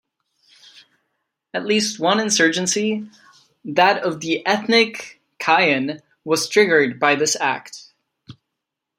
At least one insurgency, that of the ethnic Kayan, was triggered by this act.